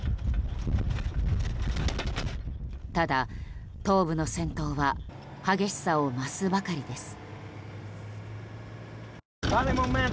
ただ、東部の戦闘は激しさを増すばかりです。